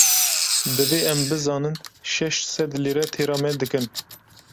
Divê em bizanin şeş sed lîre têra me dikin.